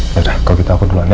yaudah kalau gitu aku duluan ya